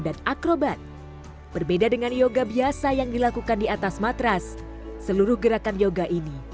dan akrobat berbeda dengan yoga biasa yang dilakukan di atas matras seluruh gerakan yoga ini